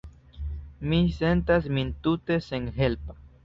Mi sentas min tute senhelpa.